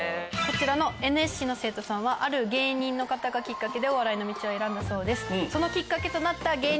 こちらのＮＳＣの生徒さんはある芸人の方がキッカケでお笑いの道を選んだそうです。